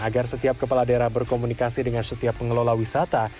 agar setiap kepala daerah berkomunikasi dengan setiap pengelola wisata